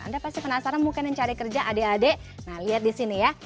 anda pasti penasaran mungkin yang cari kerja adik adik nah lihat di sini ya